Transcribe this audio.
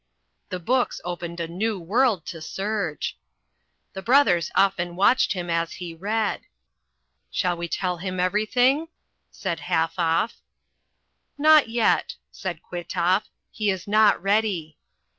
The books opened a new world to Serge. The brothers often watched him as he read. "Shall we tell him everything?" said Halfoff. "Not yet." said Kwitoff. "He is not ready."